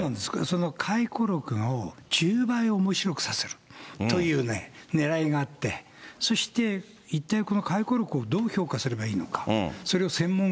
その回顧録を１０倍おもしろくさせるというねらいがあって、そして一体この回顧録をどう評価すればいいのか。